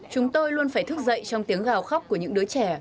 chúng tôi luôn phải thức dậy trong tiếng gào khóc của những đứa trẻ